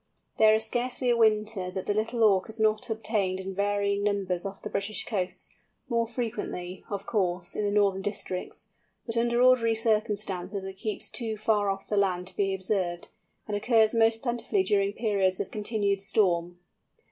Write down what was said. There is scarcely a winter that the Little Auk is not obtained in varying numbers off the British coasts, more frequently, of course, in the northern districts, but under ordinary circumstances it keeps too far off the land to be observed, and occurs most plentifully during periods of continued storm.